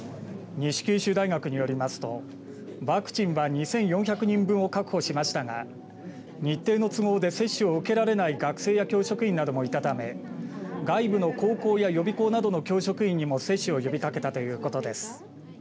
西九州大学によりますとワクチンは２４００人分を確保しましたが日程の都合で接種を受けられない学生や教職員もいたため外部の高校や予備校などの教職員にも接種を呼びかけたということです。